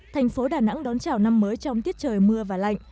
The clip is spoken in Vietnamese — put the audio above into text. thành phố đà nẵng đón chào năm mới trong tiết trời mưa và lạnh